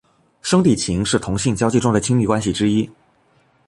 兄弟情是同性交际中的亲密关系之一。